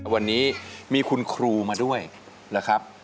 วันนี้มีคุณครูมาด้วยนะครับ